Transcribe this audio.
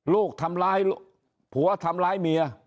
ลูกทำร้ายผัวทำร้ายเมีย